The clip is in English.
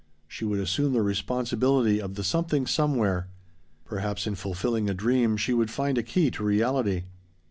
She would assume the responsibility of the Something Somewhere. Perhaps in fulfilling a dream she would find a key to reality.